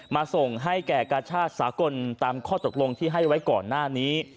มาส่งให้แก่กาชาติสากลตามข้อตกลงที่ให้ไว้ก่อนหน้านี้